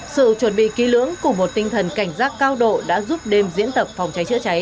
sự chuẩn bị ký lưỡng cùng một tinh thần cảnh giác cao độ đã giúp đêm diễn tập phòng cháy chữa cháy